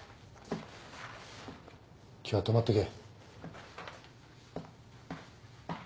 今日は泊まってけ。